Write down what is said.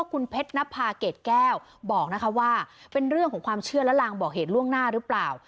คุณเพชรนภาเกรดแก้วบอกนะคะว่าเป็นเรื่องของความเชื่อและลางบอกเหตุล่วงหน้าหรือเปล่า